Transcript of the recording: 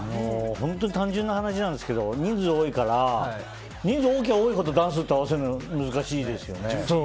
本当に単純な話なんですけど人数が多いから人数が多ければ多いほどダンスって合わせるの難しいですよね。